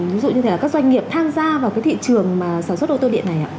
ví dụ như là các doanh nghiệp tham gia vào cái thị trường sản xuất ô tô điện này ạ